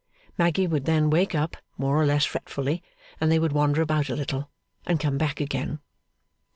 Maggy would then wake up more or less fretfully, and they would wander about a little, and come back again.